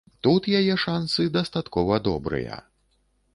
Тут яе шансы дастаткова добрыя.